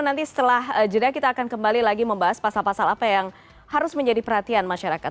nanti setelah jeda kita akan kembali lagi membahas pasal pasal apa yang harus menjadi perhatian masyarakat